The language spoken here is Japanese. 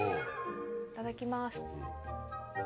いただきます。